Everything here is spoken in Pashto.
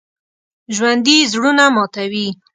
ژوندي زړونه ماتوي